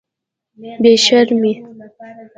بې شرمې.